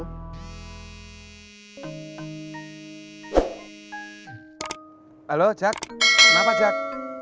halo ajak kenapa ajak